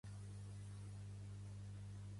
Qui no puga tocar l'arpa que toque la flauta